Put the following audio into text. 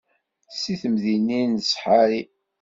Si temdinin d ssḥari.